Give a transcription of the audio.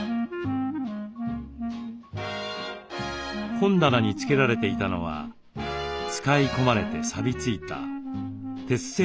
本棚に付けられていたのは使い込まれてさびついた鉄製の巻き尺。